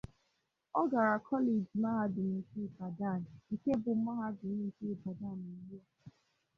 Ọ gara Koleeji Mahadum nke Ibadan (nke bụ Mahadum nke Ibadan ugbu a).